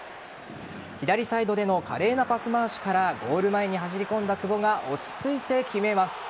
左サイドでの華麗なパス回しからゴール前に走り込んだ久保が落ち着いて決めます。